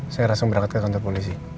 saya langsung berangkat ke kantor polisi